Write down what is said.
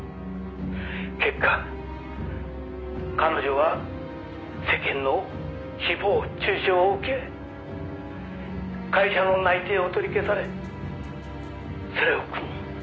「結果彼女は世間の誹謗中傷を受け会社の内定を取り消されそれを苦に」